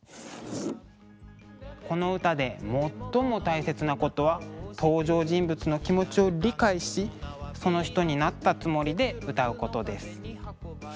この歌で最も大切なことは登場人物の気持ちを理解しその人になったつもりで歌うことです。